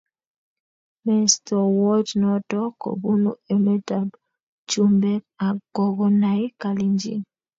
Mestowot noto kobunu emet ab chumbek ak kokonai kalenjin